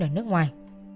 ở nước ngoài